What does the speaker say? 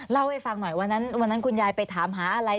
เล่าให้ฟังหน่อยวันนั้นคุณยายไปถามหาอะไร